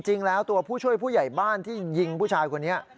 จริงแล้วตัวผู้ช่วยผู้ใหญ่บ้านที่ยิงผู้ชายคนนี้